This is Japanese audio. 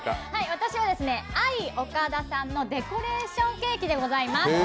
私はＡＩＯＫＡＤＡさんのデコレーションケーキでございます。